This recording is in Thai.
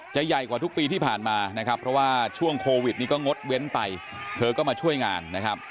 ใหญ่กว่าทุกปีที่ผ่านมานะครับเพราะว่าช่วงโควิดนี้ก็งดเว้นไปเธอก็มาช่วยงานนะครับ